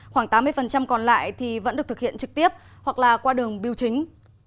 khoảng tám mươi còn lại thì vẫn được thực hiện trực tiếp hoặc là qua đường biêu chính